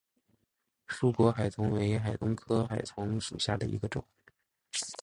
疏果海桐为海桐科海桐属下的一个种。